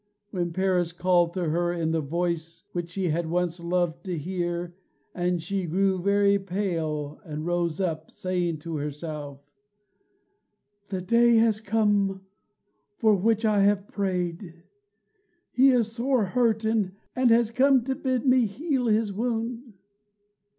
Then Paris called to her in the voice which she had once loved to hear, and she grew very pale, and rose up, saying to herself, "The day has come for which I have prayed. He is sore hurt, and has come to bid me heal his wound."